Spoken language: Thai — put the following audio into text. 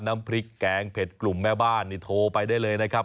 น้ำพริกแกงเผ็ดกลุ่มแม่บ้านนี่โทรไปได้เลยนะครับ